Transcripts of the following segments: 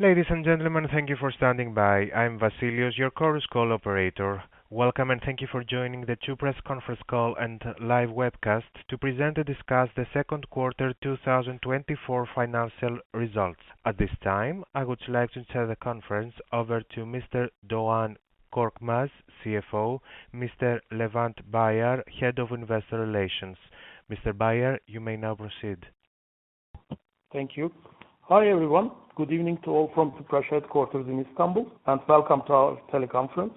Ladies and gentlemen, thank you for standing by. I'm Vasilios, your conference call operator. Welcome and thank you for joining the Tüpraş conference call and live webcast to present and discuss the Q2 2024 financial results. At this time, I would like to turn the conference over to Mr. Doğan Korkmaz, CFO, Mr. Levent Bayar, Head of Investor Relations. Mr. Bayar, you may now proceed. Thank you. Hi everyone, good evening to all from Tüpraş headquarters in Istanbul, and welcome to our teleconference.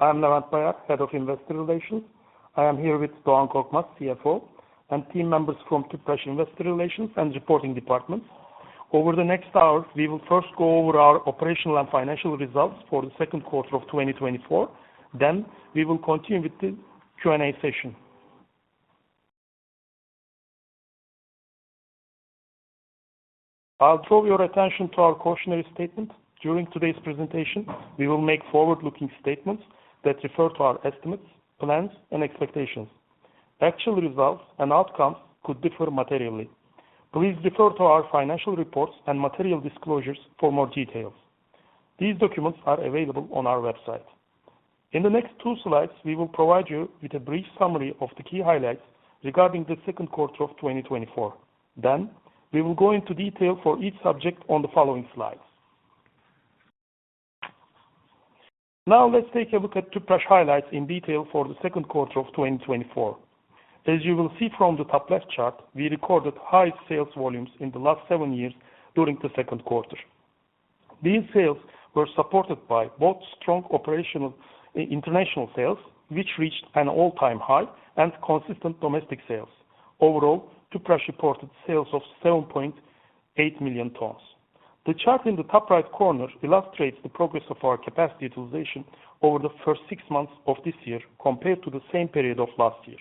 I'm Levent Bayar, Head of Investor Relations. I am here with Doğan Korkmaz, CFO, and team members from Tüpraş Investor Relations and Reporting Department. Over the next hour, we will first go over our operational and financial results for the Q2 of 2024. Then, we will continue with the Q&A session. I'll draw your attention to our cautionary statement. During today's presentation, we will make forward-looking statements that refer to our estimates, plans, and expectations. Actual results and outcomes could differ materially. Please refer to our financial reports and material disclosures for more details. These documents are available on our website. In the next two slides, we will provide you with a brief summary of the key highlights regarding the Q2 of 2024. We will go into detail for each subject on the following slides. Now, let's take a look at Tüpraş highlights in detail for the Q2 of 2024. As you will see from the top left chart, we recorded high sales volumes in the last seven years during the Q2. These sales were supported by both strong international sales, which reached an all-time high, and consistent domestic sales. Overall, Tüpraş reported sales of 7.8 million tons. The chart in the top right corner illustrates the progress of our capacity utilization over the first six months of this year compared to the same period of last year.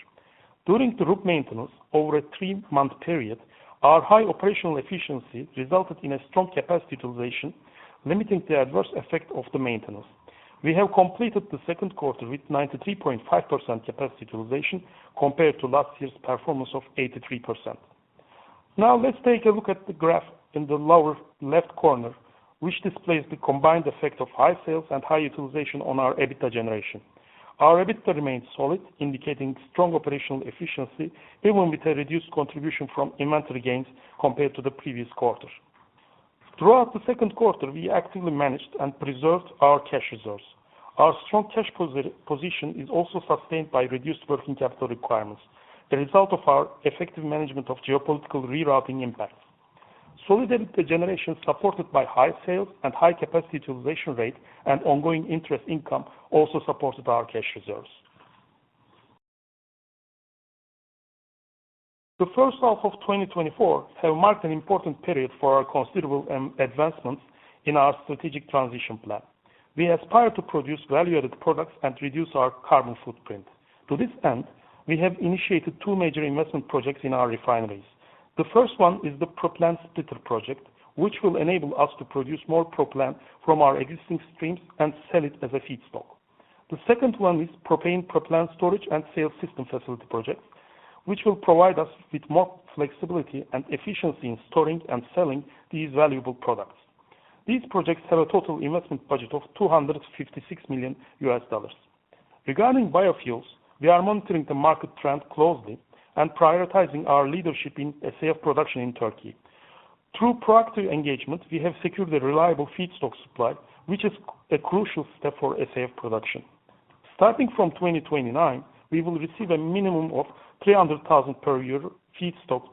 During the RUP maintenance, over a three-month period, our high operational efficiency resulted in a strong capacity utilization, limiting the adverse effect of the maintenance. We have completed the Q2 with 93.5% capacity utilization compared to last year's performance of 83%. Now, let's take a look at the graph in the lower left corner, which displays the combined effect of high sales and high utilization on our EBITDA generation. Our EBITDA remained solid, indicating strong operational efficiency, even with a reduced contribution from inventory gains compared to the previous quarter. Throughout the Q2, we actively managed and preserved our cash reserves. Our strong cash position is also sustained by reduced working capital requirements, the result of our effective management of geopolitical rerouting impacts. Solid EBITDA generation supported by high sales and high capacity utilization rate and ongoing interest income also supported our cash reserves. The first half of 2024 has marked an important period for our considerable advancements in our strategic transition plan. We aspire to produce value-added products and reduce our carbon footprint. To this end, we have initiated two major investment projects in our refineries. The first one is the propane splitter project, which will enable us to produce more propane from our existing streams and sell it as a feedstock. The second one is propane storage and sales system facility projects, which will provide us with more flexibility and efficiency in storing and selling these valuable products. These projects have a total investment budget of $256 million. Regarding biofuels, we are monitoring the market trend closely and prioritizing our leadership in SAF production in Turkey. Through proactive engagement, we have secured a reliable feedstock supply, which is a crucial step for SAF production. Starting from 2029, we will receive a minimum of 300,000 per year feedstock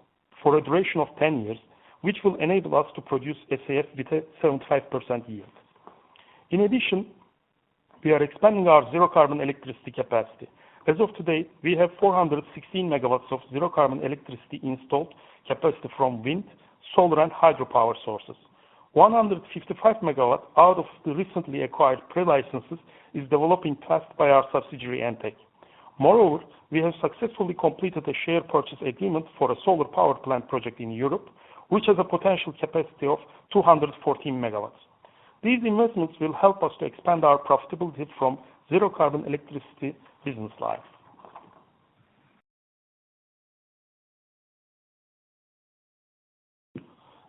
for a duration of 10 years, which will enable us to produce SAF with a 75% yield. In addition, we are expanding our zero-carbon electricity capacity. As of today, we have 416 megawatts of zero-carbon electricity installed capacity from wind, solar, and hydropower sources. 155 megawatts out of the recently acquired pre-licenses is developing fast by our subsidiary Entek. Moreover, we have successfully completed a share purchase agreement for a solar power plant project in Europe, which has a potential capacity of 214 megawatts. These investments will help us to expand our profitability from zero-carbon electricity business lines.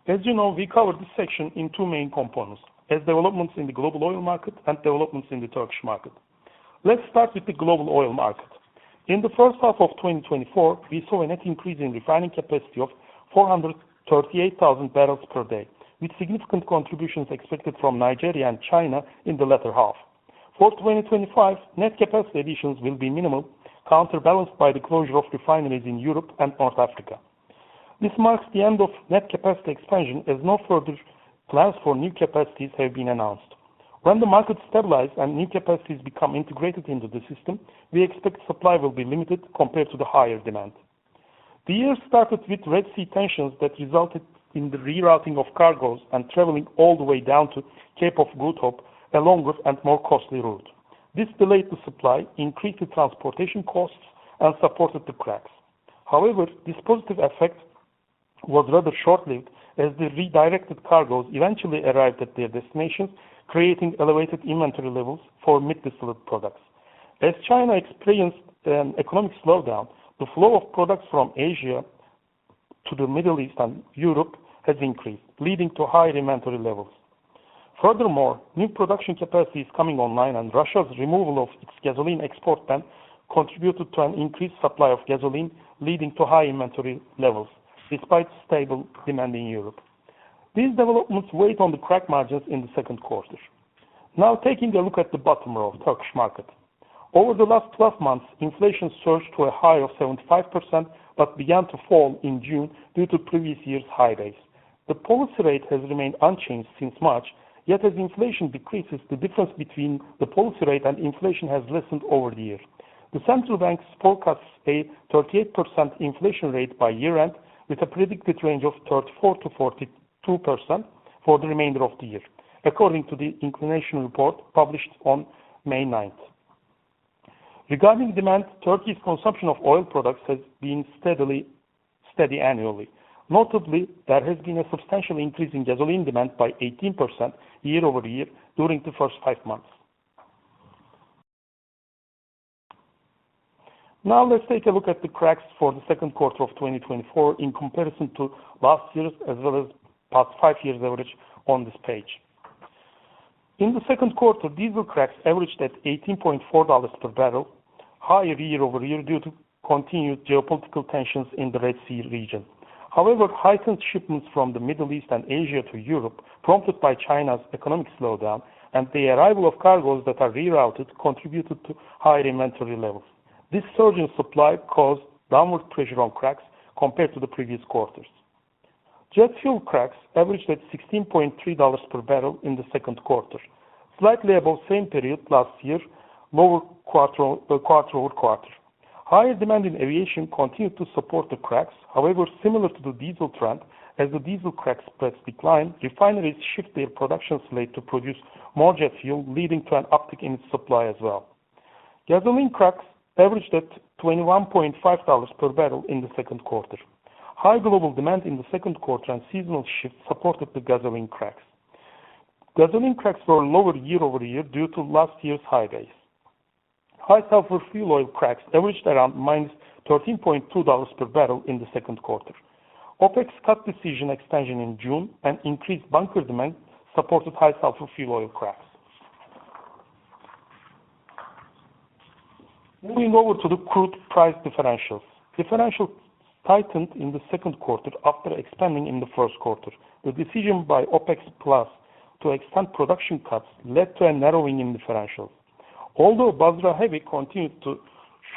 As you know, we cover this section in two main components: developments in the global oil market and developments in the Turkish market. Let's start with the global oil market. In the first half of 2024, we saw a net increase in refining capacity of 438,000 barrels per day, with significant contributions expected from Nigeria and China in the latter half. For 2025, net capacity additions will be minimal, counterbalanced by the closure of refineries in Europe and North Africa. This marks the end of net capacity expansion as no further plans for new capacities have been announced. When the market stabilizes and new capacities become integrated into the system, we expect supply will be limited compared to the higher demand. The year started with Red Sea tensions that resulted in the rerouting of cargoes and traveling all the way down to Cape of Good Hope, a longer and more costly route. This delayed the supply, increased the transportation costs, and supported the cracks. However, this positive effect was rather short-lived as the redirected cargoes eventually arrived at their destinations, creating elevated inventory levels for mid-distillate products. As China experienced an economic slowdown, the flow of products from Asia to the Middle East and Europe has increased, leading to higher inventory levels. Furthermore, new production capacity is coming online, and Russia's removal of its gasoline export ban contributed to an increased supply of gasoline, leading to high inventory levels despite stable demand in Europe. These developments weighed on the crack margins in the Q2. Now, taking a look at the bottom row of the Turkish market. Over the last 12 months, inflation surged to a high of 75% but began to fall in June due to previous year's high base. The policy rate has remained unchanged since March, yet as inflation decreases, the difference between the policy rate and inflation has lessened over the year. The central bank forecasts a 38% inflation rate by year-end, with a predicted range of 34%-42% for the remainder of the year, according to the inflation report published on May 9th. Regarding demand, Turkey's consumption of oil products has been steady annually. Notably, there has been a substantial increase in gasoline demand by 18% year-over-year during the first five months. Now, let's take a look at the cracks for the Q2 of 2024 in comparison to last year's as well as past five years' average on this page. In the Q2, diesel cracks averaged at $18.4 per barrel, higher year-over-year due to continued geopolitical tensions in the Red Sea region. However, heightened shipments from the Middle East and Asia to Europe, prompted by China's economic slowdown and the arrival of cargoes that are rerouted, contributed to higher inventory levels. This surge in supply caused downward pressure on cracks compared to the previous quarters. Jet fuel cracks averaged at $16.3 per barrel in the Q2, slightly above the same period last year, lower quarter-over-quarter. Higher demand in aviation continued to support the cracks. However, similar to the diesel trend, as the diesel cracks spread decline, refineries shift their production slate to produce more jet fuel, leading to an uptick in its supply as well. Gasoline cracks averaged at $21.5 per barrel in the Q2. High global demand in the Q2 and seasonal shift supported the gasoline cracks. Gasoline cracks were lower year-over-year due to last year's high days. High sulfur fuel oil cracks averaged around -$13.2 per barrel in the Q2. OPEC cut decision extension in June and increased bunker demand supported high sulfur fuel oil cracks. Moving over to the crude price differentials. Differentials tightened in the Q2 after expanding in the Q1. The decision by OPEC+ to extend production cuts led to a narrowing in differentials. Although Basra Heavy continued to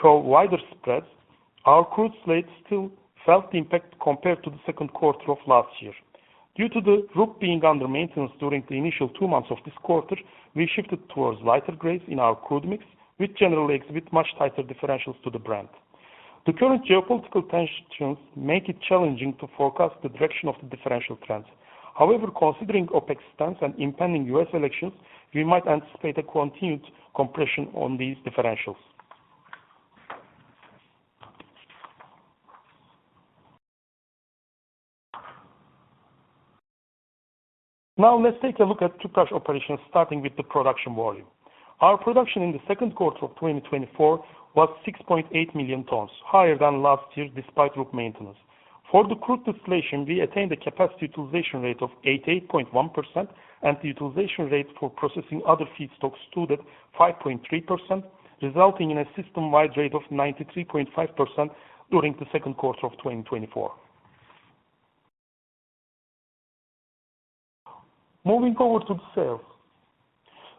show wider spreads, our crude slate still felt the impact compared to the Q2 of last year. Due to the RUP being under maintenance during the initial two months of this quarter, we shifted towards lighter grades in our crude mix, which generally exhibits much tighter differentials to the Brent. The current geopolitical tensions make it challenging to forecast the direction of the differential trends. However, considering OPEC+ stance and impending US elections, we might anticipate a continued compression on these differentials. Now, let's take a look at Tüpraş operations, starting with the production volume. Our production in the Q2 of 2024 was 6.8 million tons, higher than last year despite RUP maintenance. For the crude distillation, we attained a capacity utilization rate of 88.1%, and the utilization rate for processing other feedstocks stood at 5.3%, resulting in a system-wide rate of 93.5% during the Q2 of 2024. Moving over to the sales.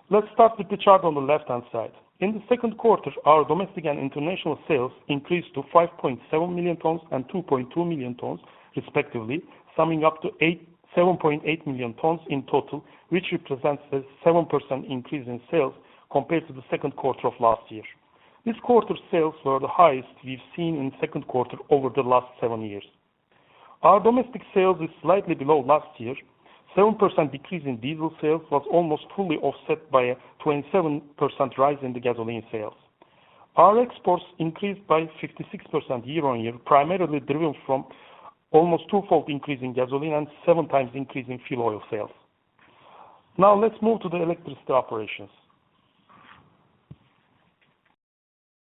Let's start with the chart on the left-hand side. In the Q2, our domestic and international sales increased to 5.7 million tons and 2.2 million tons, respectively, summing up to 7.8 million tons in total, which represents a 7% increase in sales compared to the Q2 of last year. This quarter's sales were the highest we've seen in the Q2 over the last seven years. Our domestic sales are slightly below last year. A 7% decrease in diesel sales was almost fully offset by a 27% rise in the gasoline sales. Our exports increased by 56% year-on-year, primarily driven from almost twofold increase in gasoline and 7 times increase in fuel oil sales. Now, let's move to the electricity operations.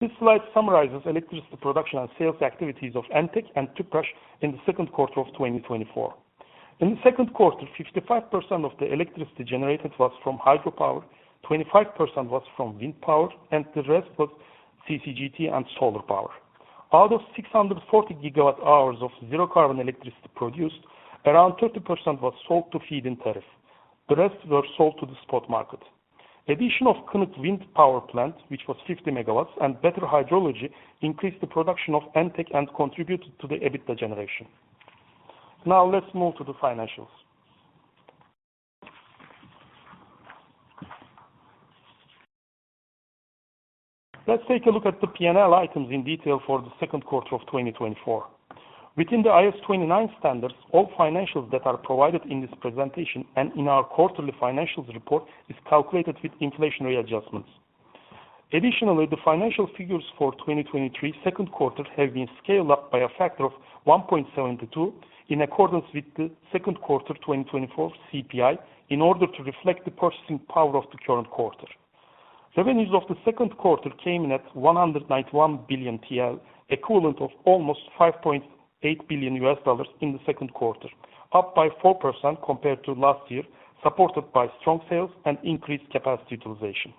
This slide summarizes electricity production and sales activities of Entek and Tüpraş in the Q2 of 2024. In the Q2, 55% of the electricity generated was from hydropower, 25% was from wind power, and the rest was CCGT and solar power. Out of 640 gigawatt-hours of zero-carbon electricity produced, around 30% was sold to feed-in tariff. The rest were sold to the spot market. The addition of Kınık Wind Power Plant, which was 50 megawatts, and better hydrology increased the production of Entek and contributed to the EBITDA generation. Now, let's move to the financials. Let's take a look at the P&L items in detail for the Q2 of 2024. Within the IAS29 standards, all financials that are provided in this presentation and in our quarterly financials report are calculated with inflationary adjustments. Additionally, the financial figures for 2023 Q2 have been scaled up by a factor of 1.72 in accordance with the Q2 2024 CPI in order to reflect the purchasing power of the current quarter. Revenues of the Q2 came in at 191 billion TL, equivalent of almost $5.8 billion in the Q2, up by 4% compared to last year, supported by strong sales and increased capacity utilization.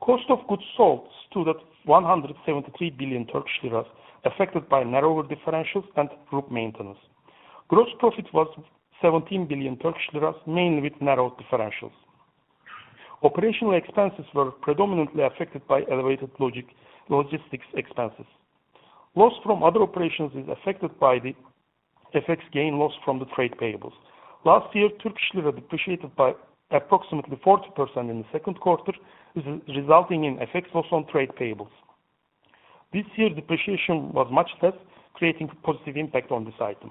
Cost of goods sold stood at 173 billion Turkish lira, affected by narrower differentials and RUP maintenance. Gross profit was 17 billion Turkish lira, mainly with narrow differentials. Operational expenses were predominantly affected by elevated logistics expenses. Loss from other operations is affected by the FX gain loss from the trade payables. Last year, Turkish lira depreciated by approximately 40% in the Q2, resulting in FX loss on trade payables. This year, depreciation was much less, creating a positive impact on this item.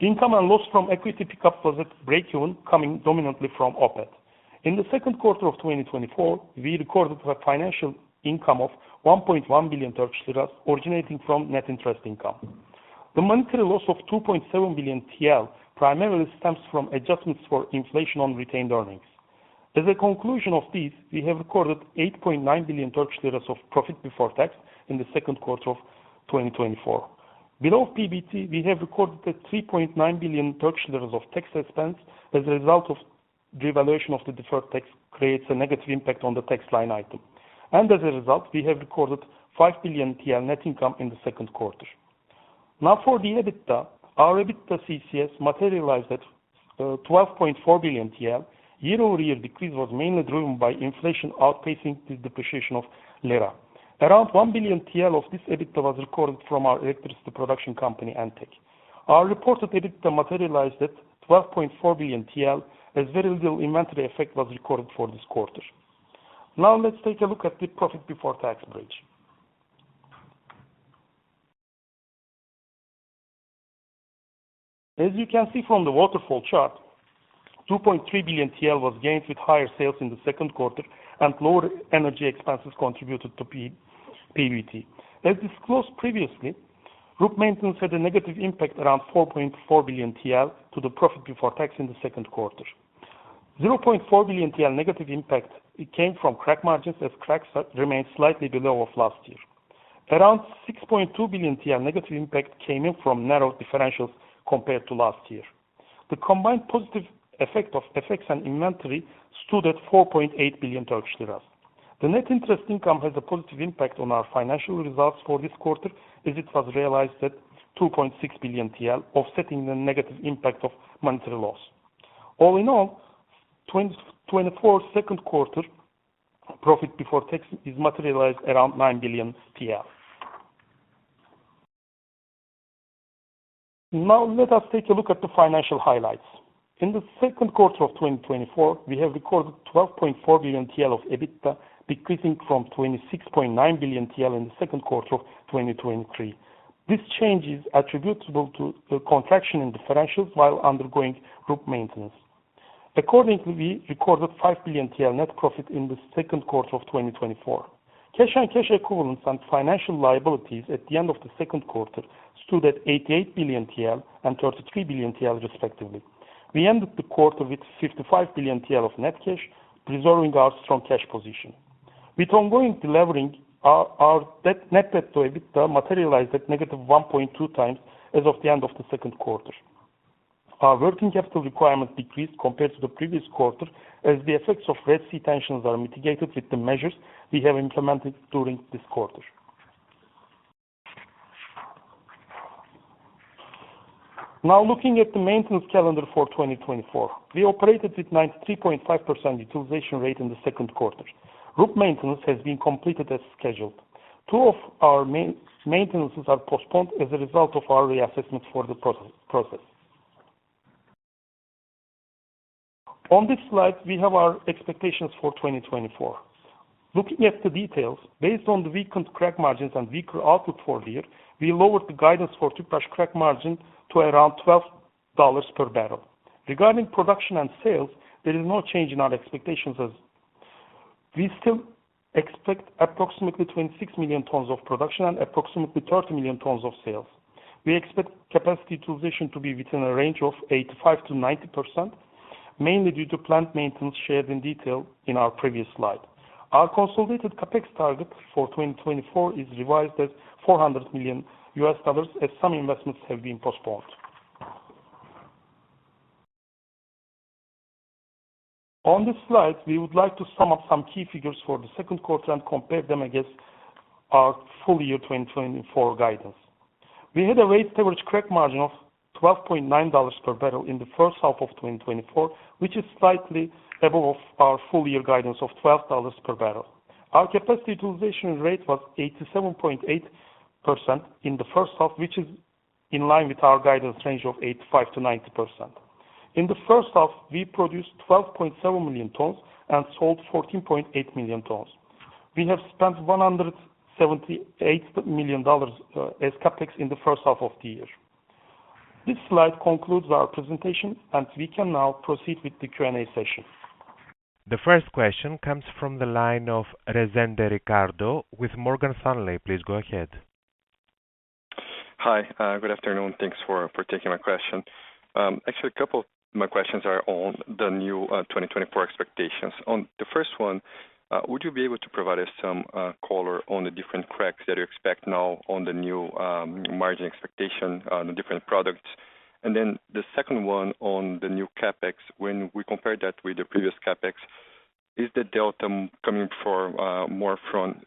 Income and loss from equity pickup was at break-even, coming dominantly from OPEC. In the Q2 of 2024, we recorded a financial income of 1.1 billion Turkish lira, originating from net interest income. The monetary loss of 2.7 billion TL primarily stems from adjustments for inflation on retained earnings. As a conclusion of these, we have recorded 8.9 billion Turkish lira of profit before tax in the Q2 of 2024. Below PBT, we have recorded 3.9 billion of tax expense as a result of devaluation of the deferred tax, which creates a negative impact on the tax line item. As a result, we have recorded 5 billion TL net income in the Q2. Now, for the EBITDA, our EBITDA CCS materialized at 12.4 billion TL. Year-over-year decrease was mainly driven by inflation outpacing the depreciation of lira. Around 1 billion TL of this EBITDA was recorded from our electricity production company, Entek. Our reported EBITDA materialized at 12.4 billion TL, as very little inventory effect was recorded for this quarter. Now, let's take a look at the PBT. As you can see from the waterfall chart, 2.3 billion TL was gained with higher sales in the Q2 and lower energy expenses contributed to PBT. As disclosed previously, routine maintenance had a negative impact around 4.4 billion TL to the profit before tax in the Q2. 0.4 billion TL negative impact came from crack margins as cracks remained slightly below last year. Around 6.2 billion TL negative impact came in from narrow differentials compared to last year. The combined positive effect of FX and inventory stood at 4.8 billion Turkish lira. The net interest income has a positive impact on our financial results for this quarter, as it was realized at 2.6 billion TL, offsetting the negative impact of monetary loss. All in all, the 2024 Q2 profit before tax is materialized around 9 billion. Now, let us take a look at the financial highlights. In the Q2 of 2024, we have recorded 12.4 billion TL of EBITDA, decreasing from 26.9 billion TL in the Q2 of 2023. This change is attributable to a contraction in differentials while undergoing RUP maintenance. Accordingly, we recorded 5 billion TL net profit in the Q2 of 2024. Cash and cash equivalents and financial liabilities at the end of the Q2 stood at 88 billion TL and 33 billion TL, respectively. We ended the quarter with 55 billion TL of net cash, preserving our strong cash position. With ongoing deleveraging, our net debt to EBITDA materialized at negative 1.2 times as of the end of the Q2. Our working capital requirement decreased compared to the previous quarter, as the effects of Red Sea tensions are mitigated with the measures we have implemented during this quarter. Now, looking at the maintenance calendar for 2024, we operated with 93.5% utilization rate in the Q2. Routine maintenance has been completed as scheduled. Two of our maintenances are postponed as a result of our reassessment for the process. On this slide, we have our expectations for 2024. Looking at the details, based on the weekend crack margins and weaker output for the year, we lowered the guidance for Tüpraş crack margin to around $12 per barrel. Regarding production and sales, there is no change in our expectations as we still expect approximately 26 million tons of production and approximately 30 million tons of sales. We expect capacity utilization to be within a range of 85%-90%, mainly due to plant maintenance shared in detail in our previous slide. Our consolidated CapEx target for 2024 is revised at $400 million, as some investments have been postponed. On this slide, we would like to sum up some key figures for the Q2 and compare them against our full year 2024 guidance. We had a weighted average crack margin of $12.9 per barrel in the first half of 2024, which is slightly above our full year guidance of $12 per barrel. Our capacity utilization rate was 87.8% in the first half, which is in line with our guidance range of 85%-90%. In the first half, we produced 12.7 million tons and sold 14.8 million tons. We have spent $178 million as CapEx in the first half of the year. This slide concludes our presentation, and we can now proceed with the Q&A session. The first question comes from the line of Ricardo Rezende with Morgan Stanley. Please go ahead. Hi, good afternoon. Thanks for taking my question. Actually, a couple of my questions are on the new 2024 expectations. On the first one, would you be able to provide us some color on the different cracks that you expect now on the new margin expectation on the different products? And then the second one on the new CapEx, when we compare that with the previous CapEx, is the delta coming more from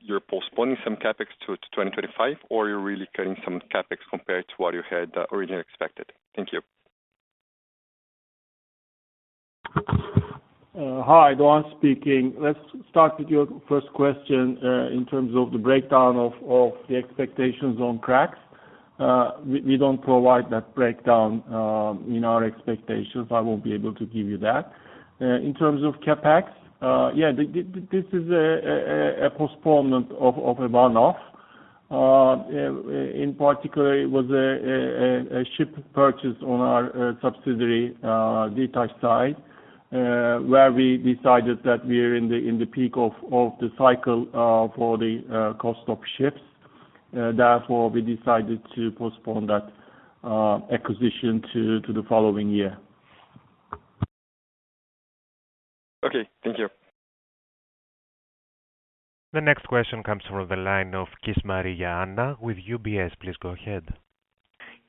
your postponing some CapEx to 2025, or are you really cutting some CapEx compared to what you had originally expected? Thank you. Hi, Doğan speaking. Let's start with your first question in terms of the breakdown of the expectations on cracks. We don't provide that breakdown in our expectations. I won't be able to give you that. In terms of CapEx, yeah, this is a postponement of a one-off. In particular, it was a ship purchase on our subsidiary Ditaş, where we decided that we are in the peak of the cycle for the cost of ships. Therefore, we decided to postpone that acquisition to the following year. Okay, thank you. The next question comes from the line of Anna Kishmariya with UBS. Please go ahead.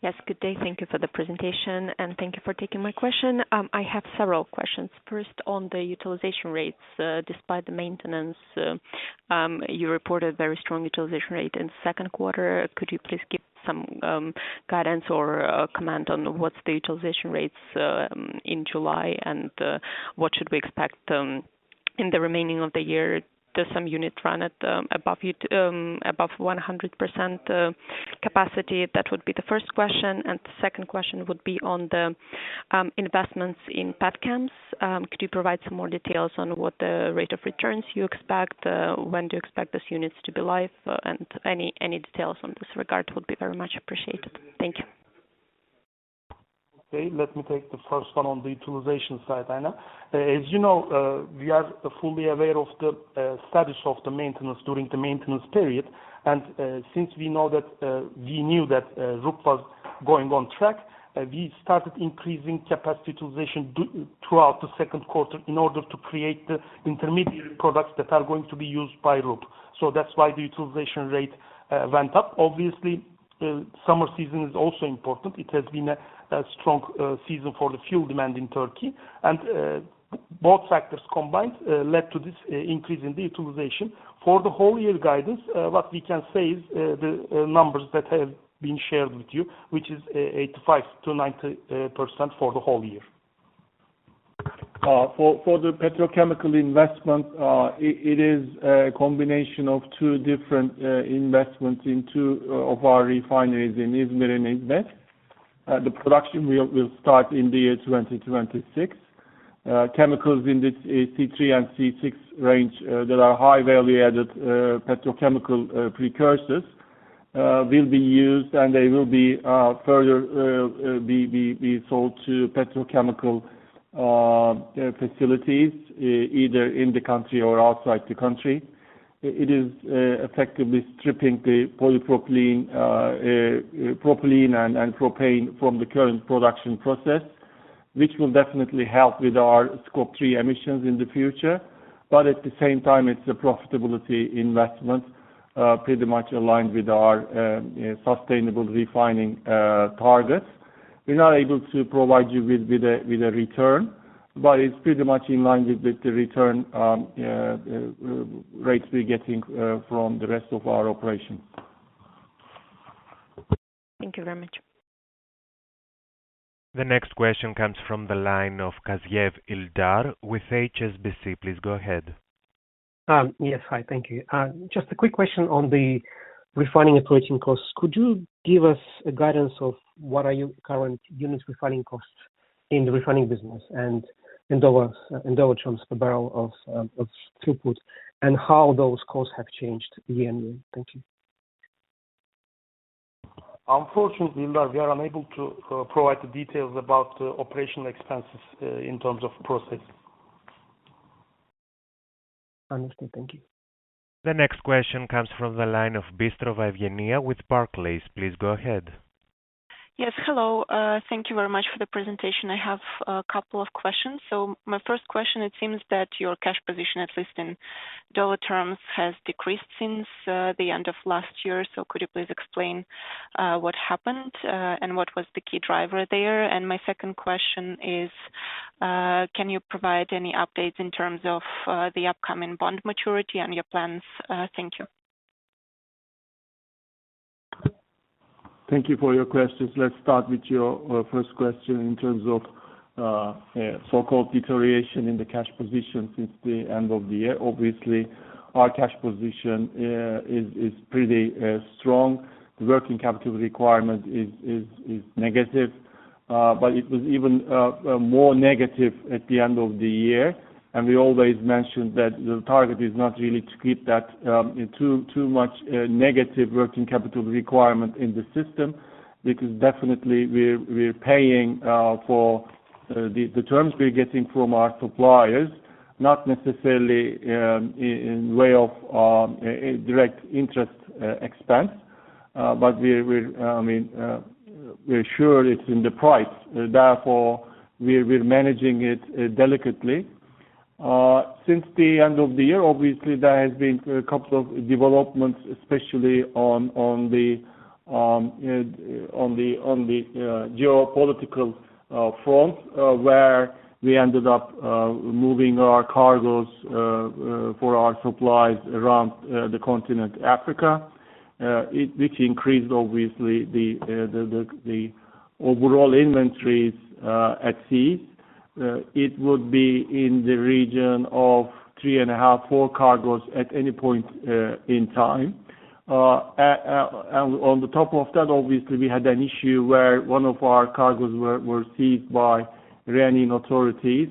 Yes, good day. Thank you for the presentation, and thank you for taking my question. I have several questions. First, on the utilization rates, despite the maintenance, you reported a very strong utilization rate in the Q2. Could you please give some guidance or comment on what's the utilization rates in July and what should we expect in the remaining of the year? Does some unit run above 100% capacity? That would be the first question. And the second question would be on the investments in Petchems. Could you provide some more details on what the rate of returns you expect? When do you expect these units to be live? And any details on this regard would be very much appreciated. Thank you. Okay, let me take the first one on the utilization side, Anna. As you know, we are fully aware of the status of the maintenance during the maintenance period. Since we knew that RUP was going on track, we started increasing capacity utilization throughout the Q2 in order to create the intermediate products that are going to be used by RUP. So that's why the utilization rate went up. Obviously, summer season is also important. It has been a strong season for the fuel demand in Turkey. And both factors combined led to this increase in the utilization. For the whole year guidance, what we can say is the numbers that have been shared with you, which is 85%-90% for the whole year. For the petrochemical investment, it is a combination of two different investments in two of our refineries in Izmir and Izmit. The production will start in the year 2026. Chemicals in the C3 and C6 range that are high-value-added petrochemical precursors will be used, and they will be further sold to petrochemical facilities, either in the country or outside the country. It is effectively stripping the propylene and propane from the current production process, which will definitely help with our scope 3 emissions in the future. But at the same time, it's a profitability investment pretty much aligned with our sustainable refining targets. We're not able to provide you with a return, but it's pretty much in line with the return rates we're getting from the rest of our operations. Thank you very much. The next question comes from the line of Ildar Khaziev with HSBC. Please go ahead. Yes, hi, thank you. Just a quick question on the refining operating costs. Could you give us a guidance of what are your current units refining costs in the refining business and dollars and dollar terms per barrel of throughput, and how those costs have changed year-over-year? Thank you. Unfortunately, we are unable to provide the details about operational expenses in terms of process. Understood, thank you. The next question comes from the line of Evgeniya Bystrova with Barclays. Please go ahead. Yes, hello. Thank you very much for the presentation. I have a couple of questions. My first question, it seems that your cash position, at least in US dollar terms, has decreased since the end of last year. Could you please explain what happened and what was the key driver there? My second question is, can you provide any updates in terms of the upcoming bond maturity and your plans? Thank you. Thank you for your questions. Let's start with your first question in terms of so-called deterioration in the cash position since the end of the year. Obviously, our cash position is pretty strong. The working capital requirement is negative, but it was even more negative at the end of the year. We always mention that the target is not really to keep that too much negative working capital requirement in the system because definitely we're paying for the terms we're getting from our suppliers, not necessarily in way of direct interest expense, but I mean, we're sure it's in the price. Therefore, we're managing it delicately. Since the end of the year, obviously, there has been a couple of developments, especially on the geopolitical front, where we ended up moving our cargoes for our supplies around the continent, Africa, which increased, obviously, the overall inventories at sea. It would be in the region of 3.5 4 cargoes at any point in time. And on the top of that, obviously, we had an issue where one of our cargoes were seized by Iranian authorities,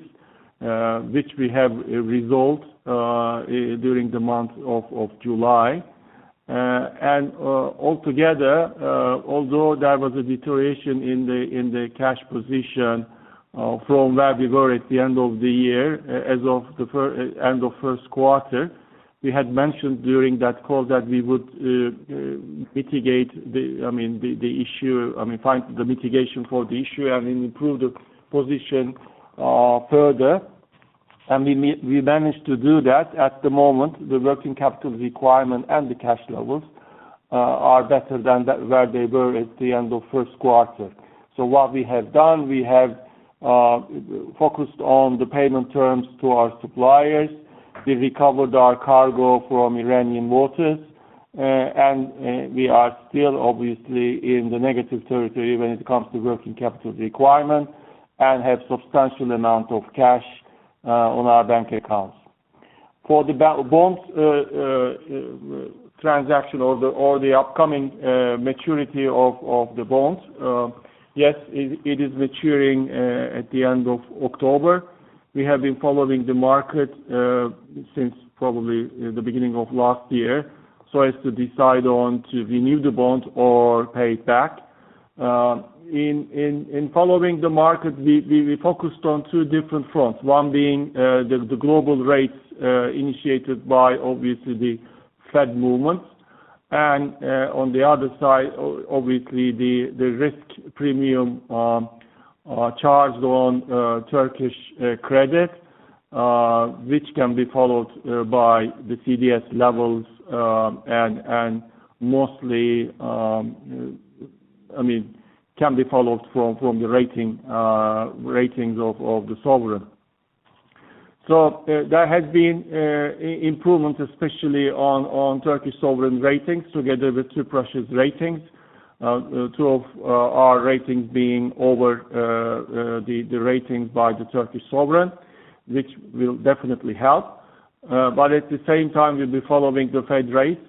which we have resolved during the month of July. Altogether, although there was a deterioration in the cash position from where we were at the end of the year, as of the end of Q1, we had mentioned during that call that we would mitigate, I mean, the issue, I mean, find the mitigation for the issue and improve the position further. We managed to do that. At the moment, the working capital requirement and the cash levels are better than where they were at the end of Q1. What we have done, we have focused on the payment terms to our suppliers. We recovered our cargo from Iranian waters, and we are still, obviously, in the negative territory when it comes to working capital requirement and have a substantial amount of cash on our bank accounts. For the bond transaction or the upcoming maturity of the bond, yes, it is maturing at the end of October. We have been following the market since probably the beginning of last year so as to decide on to renew the bond or pay it back. In following the market, we focused on two different fronts, one being the global rates initiated by, obviously, the Fed movements. On the other side, obviously, the risk premium charged on Turkish credit, which can be followed by the CDS levels and mostly, I mean, can be followed from the ratings of the sovereign. There has been improvements, especially on Turkish sovereign ratings together with two previous ratings, two of our ratings being over the ratings by the Turkish sovereign, which will definitely help. But at the same time, we'll be following the Fed rates,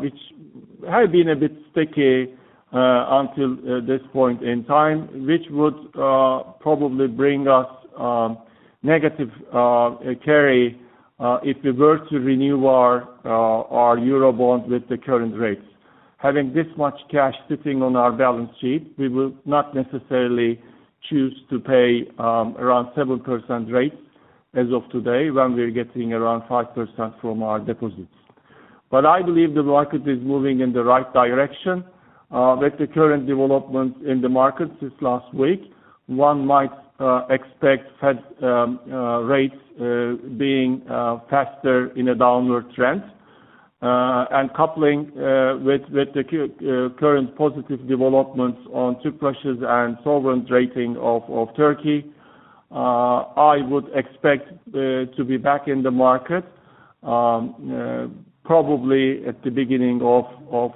which have been a bit sticky until this point in time, which would probably bring us negative carry if we were to renew our euro bond with the current rates. Having this much cash sitting on our balance sheet, we will not necessarily choose to pay around 7% rates as of today when we're getting around 5% from our deposits. But I believe the market is moving in the right direction. With the current developments in the markets since last week, one might expect Fed rates being faster in a downward trend. And coupling with the current positive developments on Turkish and sovereign rating of Turkey, I would expect to be back in the market probably at the beginning of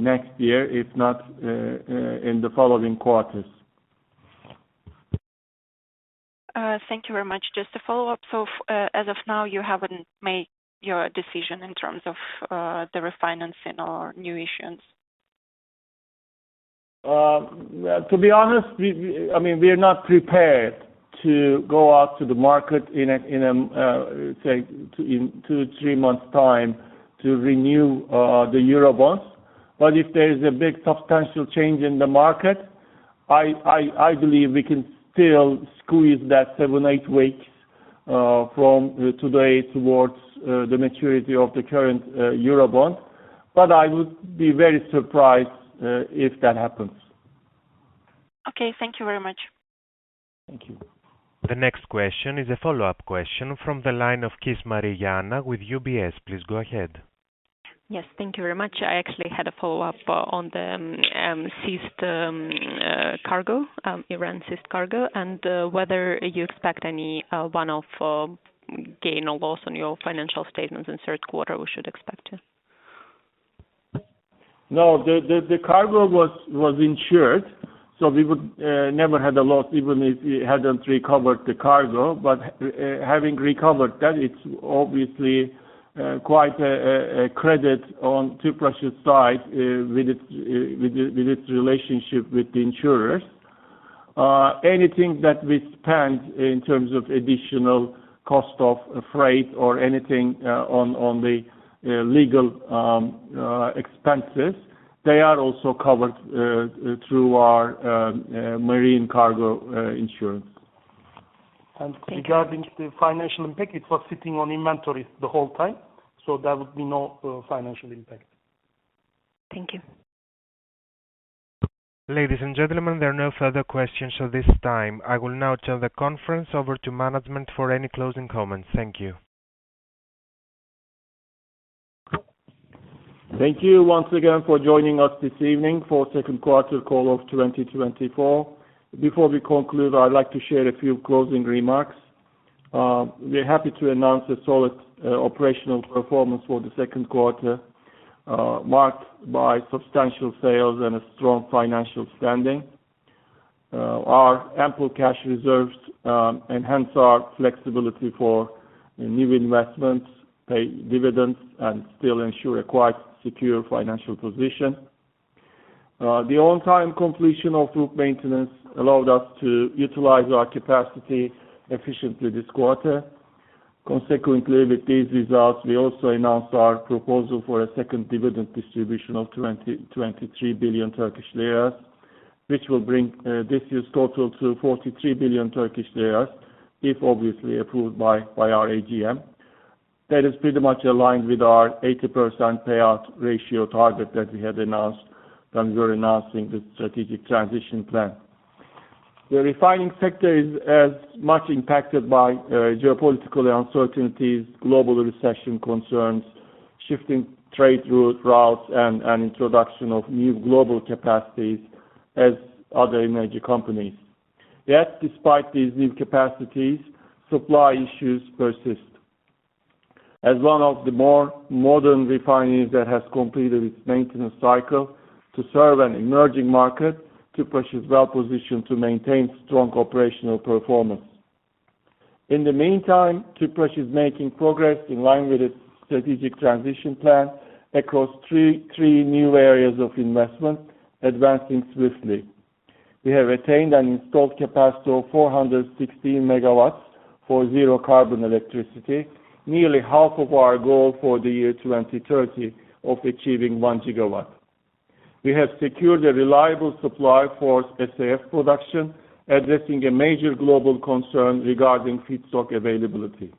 next year, if not in the following quarters. Thank you very much. Just to follow up, so as of now, you haven't made your decision in terms of the refinancing or new issues? To be honest, I mean, we're not prepared to go out to the market in, say, 2 to 3 months' time to renew the euro bonds. But if there is a big substantial change in the market, I believe we can still squeeze that 7 to 8 weeks from today towards the maturity of the current euro bond. But I would be very surprised if that happens. Okay, thank you very much. Thank you. The next question is a follow-up question from the line of Anna Kishmariya with UBS. Please go ahead. Yes, thank you very much. I actually had a follow-up on the seized cargo, Iran-seized cargo, and whether you expect any one-off gain or loss on your financial statements in Q3 we should expect to. No, the cargo was insured, so we never had a loss even if we hadn't recovered the cargo. But having recovered that, it's obviously quite a credit on Turkish side with its relationship with the insurers. Anything that we spend in terms of additional cost of freight or anything on the legal expenses, they are also covered through our marine cargo insurance. And regarding the financial impact, it was sitting on inventory the whole time, so there would be no financial impact. Thank you. Ladies and gentlemen, there are no further questions at this time. I will now turn the conference over to management for any closing comments. Thank you. Thank you once again for joining us this evening for the Q2 call of 2024. Before we conclude, I'd like to share a few closing remarks. We're happy to announce a solid operational performance for the Q2 marked by substantial sales and a strong financial standing. Our ample cash reserves enhance our flexibility for new investments, pay dividends, and still ensure a quite secure financial position. The on-time completion of RUP maintenance allowed us to utilize our capacity efficiently this quarter. Consequently, with these results, we also announced our proposal for a second dividend distribution of 23 billion Turkish lira, which will bring this year's total to 43 billion Turkish lira if obviously approved by our AGM. That is pretty much aligned with our 80% payout ratio target that we had announced when we were announcing the strategic transition plan. The refining sector is as much impacted by geopolitical uncertainties, global recession concerns, shifting trade routes and introduction of new global capacities as other energy companies. Yet, despite these new capacities, supply issues persist. As one of the more modern refineries that has completed its maintenance cycle to serve an emerging market, Tüpraş is well positioned to maintain strong operational performance. In the meantime, Tüpraş is making progress in line with its strategic transition plan across three new areas of investment, advancing swiftly. We have attained and installed capacity of 416 MW for zero carbon electricity, nearly half of our goal for the year 2030 of achieving 1 GW. We have secured a reliable supply for SAF production, addressing a major global concern regarding feedstock availability.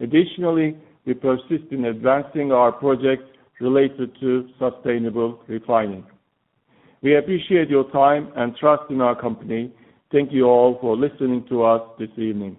Additionally, we persist in advancing our projects related to sustainable refining. We appreciate your time and trust in our company. Thank you all for listening to us this evening.